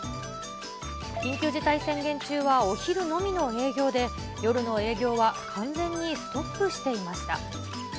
緊急事態宣言中はお昼のみの営業で、夜の営業は完全にストップしていました。